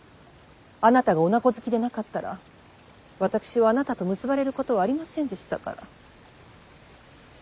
あなたが女子好きでなかったら私はあなたと結ばれることはありませんでしたから。